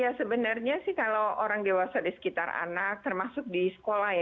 ya sebenarnya sih kalau orang dewasa di sekitar anak termasuk di sekolah ya